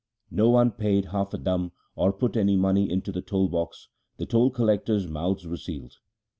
No one paid half a dam or put any money into the toll box ; the toll collectors' mouths were sealed.